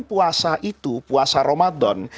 puasa itu puasa ramadan